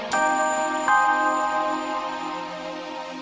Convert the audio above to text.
sampai jumpa lagi